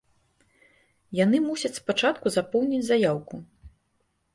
Яны мусяць спачатку запоўніць заяўку.